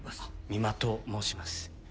三馬と申します。